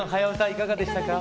いかがでしたか？